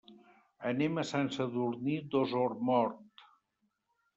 Anem a Sant Sadurní d'Osormort.